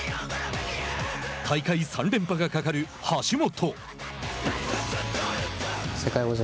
大会３連覇がかかる橋本。